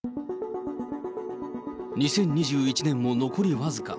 ２０２１年も残り僅か。